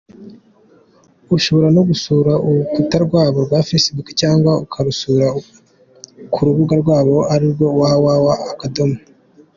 Ushobora no gusura urukuta rwabo rwa facebook cyangwa ukabasura ku rubuga rwabo arirwo www.